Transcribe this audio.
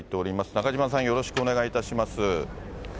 中島さん、よろしくお願いいたします。